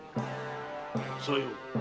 さよう。